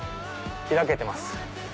開けてます。